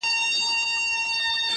د خپل بابا پر مېنه چلوي د مرګ باړونه-